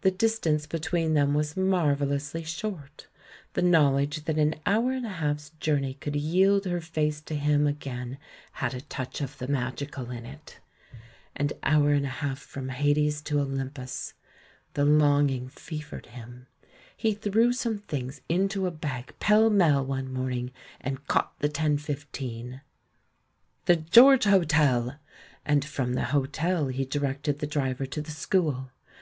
The distance between them was marvellously short — the knowledge that an hour and a half's journey could yield her face to him again had a touch of the magical in it. An hour and a half from 12 THE MAN WHO UNDERSTOOD WOMEN Hades to Olympus! The longing fevered him. He threw some things into a bag pellmell one morning, and caught the 10.15. "The George Hotel!" — and from the hotel he directed the driver to the school.